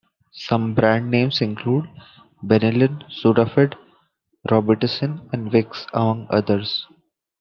Some brand names include: Benilyn, Sudafed, Robitussin and Vicks among others.